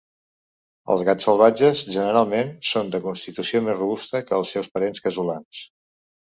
Els gats salvatges generalment són de constitució més robusta que els seus parents casolans.